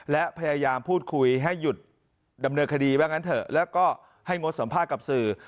และพยายามพูดคุยให้หยุดดำเนิดคดีแล้วก็ให้งดสัมภาษณ์กับสื่อ